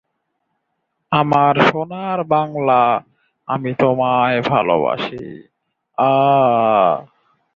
তিনি women's international league for peace and freedom খুঁজে পেতে সহায়তা করেছিলেন।